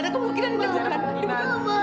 ini bukan mama